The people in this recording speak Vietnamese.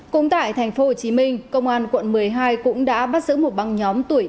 cũng tại tp hcm công an quận một mươi hai cũng đã bắt giữ một băng nhóm tùy bắt